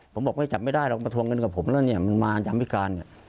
ผมบอกเราก็จับไม่ได้หรอกมาทางดึงด้านกับผมเขามันมายามพิการ